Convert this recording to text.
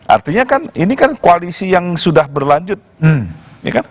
artinya kan ini kan koalisi yang sudah berlanjut